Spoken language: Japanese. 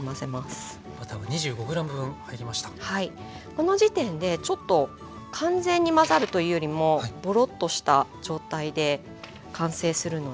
この時点でちょっと完全に混ざるというよりもボロッとした状態で完成するので。